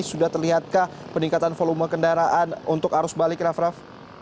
sudah terlihatkah peningkatan volume kendaraan untuk arus balik raff raff